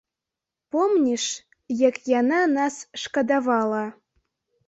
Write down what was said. Помніш, як яна нас шкадавала?